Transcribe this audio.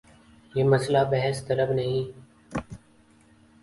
یہ مسئلہ بحث طلب نہیں۔